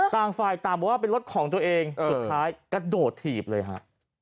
ต่างฝ่ายต่างบอกว่าเป็นรถของตัวเองสุดท้ายกระโดดถีบเลยฮะ